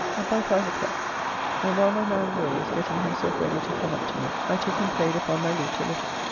Up by five o'clock, and while my man Will was getting himself ready to come up to me I took and played upon my lute a little.